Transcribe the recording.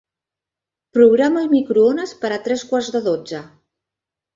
Programa el microones per a tres quarts de dotze.